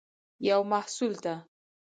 یو محصول ته